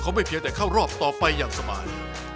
เขาไม่เพียงแต่เข้ารอบต่อไปอย่างสบาย